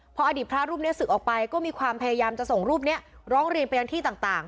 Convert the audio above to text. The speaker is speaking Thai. พออดีตพระรูปนี้ศึกออกไปก็มีความพยายามจะส่งรูปนี้ร้องเรียนไปยังที่ต่าง